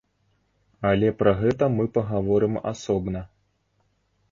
Але пра гэта мы пагаворым асобна.